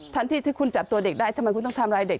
ทันทีที่คุณจับตัวเด็กได้ทำไมคุณต้องทำร้ายเด็ก